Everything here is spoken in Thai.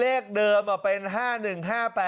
เลขเดิมเป็น๕๑๕๘